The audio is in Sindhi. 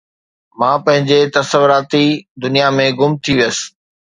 مان پنهنجي تصوراتي دنيا ۾ گم ٿي ويس